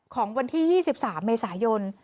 ของวันที่๒๓เมษายน